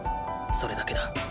それだけだ。